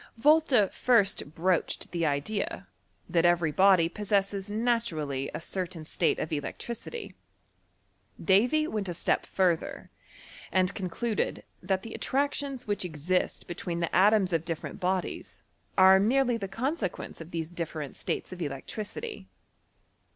Votta first broached the idea, that every body possrases naturally a certain state of electricity, Davy went s step further, and concluded, that the attractioBS which exist between the atoms of different bodies are merely the consequence of these different states of electricity.